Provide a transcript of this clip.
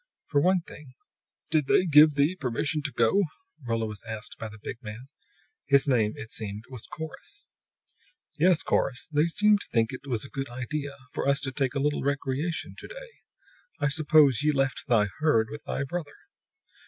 For one thing "Did They give thee permission to go?" Rolla was asked by the big man. His name, it seemed, was Corrus. "Yes, Corrus. They seemed to think it a good idea for us to take a little recreation to day. I suppose ye left thy herd with thy brother?"